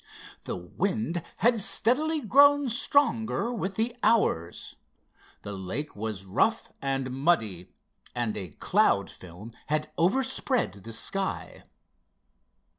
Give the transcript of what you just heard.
The wind had steadily grown stronger with the hours. The lake was rough and muddy, and a cloud film had overspread the sky.